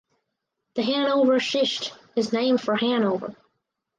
The Hanover Schist is named for Hanover.